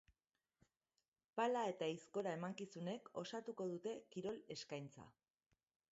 Pala eta aizkora emankizunek osatuko dute kirol eskaintza.